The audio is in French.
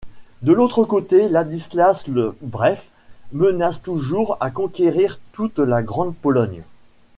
De l'autre côté, Ladislas le Bref menace toujours à conquérir toute la Grande-Pologne.